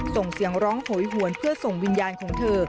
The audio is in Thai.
ส่งเสียงร้องโหยหวนเพื่อส่งวิญญาณของเธอ